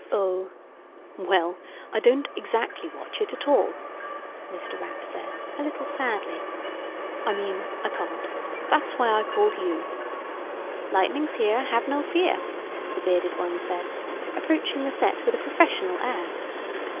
"Oh. Well, I don't exactly watch it at all," Mr. Rapp said, a little sadly. "I mean, I can't. That's why I called you." "Lightning's here, have no fear," the bearded one said, approaching the set with a professional air.